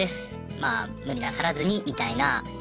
まぁ無理なさらずに」みたいな。